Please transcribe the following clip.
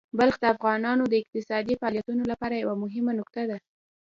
بلخ د افغانانو د اقتصادي فعالیتونو لپاره یوه مهمه نقطه ده.